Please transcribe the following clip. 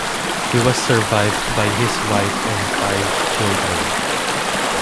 He was survived by his wife and five children.